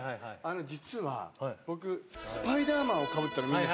実は、僕、スパイダーマンをかぶった。